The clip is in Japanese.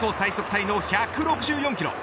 タイの１６４キロ。